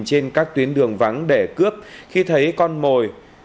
trên các tuyến đường vắng để cướp khi thấy con mồi